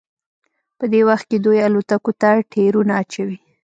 په دې وخت کې دوی الوتکو ته ټیرونه اچوي